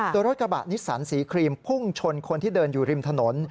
โดยรถกระบะนิสสันสีครีมพุ่งชนคนที่เดินอยู่ริมถนน